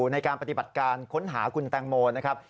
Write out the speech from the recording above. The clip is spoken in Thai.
ในการปฏิบัติการค้นหาคุณแตงโมนะครับ